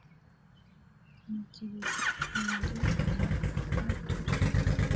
ntekereza ukuntu ngiye kujya kwatura